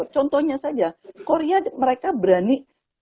contohnya saja korea mereka berani